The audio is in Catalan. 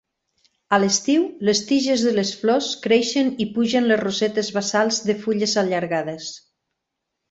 A l'estiu, les tiges de les flors creixen i pugen les rosetes basals de fulles allargades.